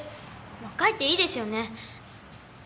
もう帰っていいですよね？